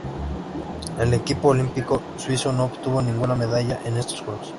El equipo olímpico suizo no obtuvo ninguna medalla en estos Juegos.